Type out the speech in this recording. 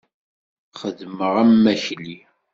Xeddmeɣ am wakli!